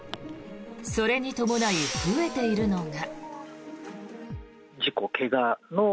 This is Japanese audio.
それに伴い、増えているのが。